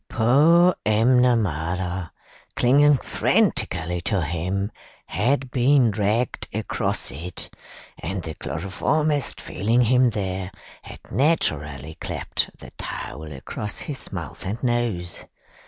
Poor M'Namara, clinging frantically to him, had been dragged across it, and the chloroformist, feeling him there, had naturally claped the towel across his mouth and nose.